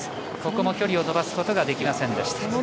ここも距離を伸ばすことができませんでした。